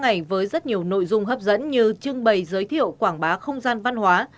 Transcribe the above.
ngày với rất nhiều nội dung hấp dẫn như trưng bày giới thiệu quảng bá không gian văn hóa